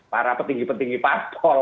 para petinggi petinggi paspol